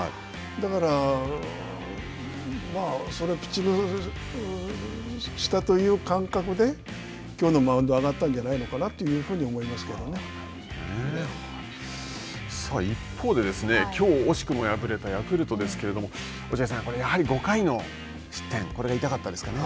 だから、ピッチングしたという感覚できょうのマウンド上がったんじゃないのかなというふうに思いますさあ、一方できょう惜しくも敗れたヤクルトですけれども、落合さん、やはり５回の失点これが痛かったですかね。